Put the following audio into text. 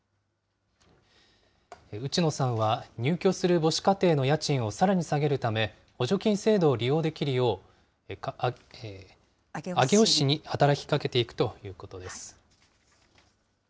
内野さんは入居する母子家庭の家賃をさらに下げるため、補助金制度を利用できるよう上尾市に働きかけていくということです。